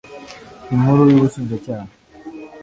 inkuru y ubushinjacyaha